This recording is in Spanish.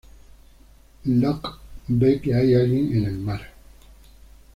Locke ve que hay alguien en el mar.